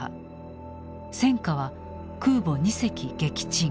戦果は空母２隻撃沈。